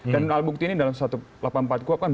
dan alat bukti ini dalam satu ratus delapan puluh empat kuap kan